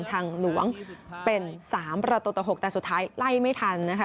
ทางหลวงเป็น๓ประตูต่อ๖แต่สุดท้ายไล่ไม่ทันนะคะ